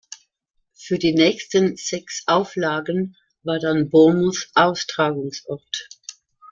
Für die nächsten sechs Auflagen war dann Bournemouth Austragungsort.